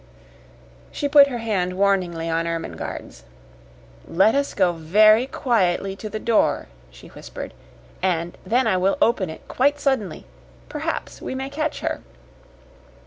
She put her hand warningly on Ermengarde's. "Let us go very quietly to the door," she whispered, "and then I will open it quite suddenly; perhaps we may catch her."